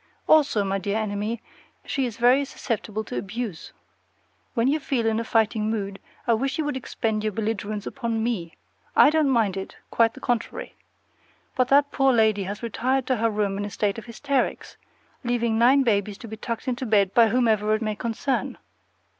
Also, my dear Enemy, she is very susceptible to abuse. When you feel in a fighting mood, I wish you would expend your belligerence upon me. I don't mind it; quite the contrary. But that poor lady has retired to her room in a state of hysterics, leaving nine babies to be tucked into bed by whomever it may concern.